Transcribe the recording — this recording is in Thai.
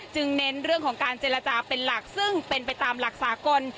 เน้นเรื่องของการเจรจาเป็นหลักซึ่งเป็นไปตามหลักสากล